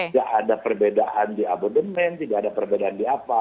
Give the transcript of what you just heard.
tidak ada perbedaan di abodemen tidak ada perbedaan di apa